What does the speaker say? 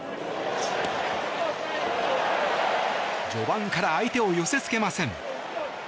序盤から相手を寄せ付けません。